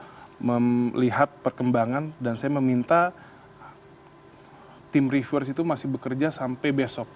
saya melihat perkembangan dan saya meminta tim reverse itu masih bekerja sampai besok